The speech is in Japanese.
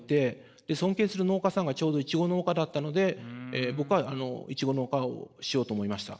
尊敬する農家さんがちょうどイチゴ農家だったので僕はイチゴ農家をしようと思いました。